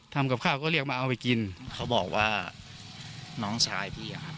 ทำกับข้าวก็เรียกมาเอาไปกินเขาบอกว่าน้องชายพี่อะครับ